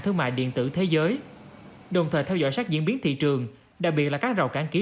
thương mại điện tử thế giới đồng thời theo dõi sát diễn biến thị trường đặc biệt là các rào cản kỹ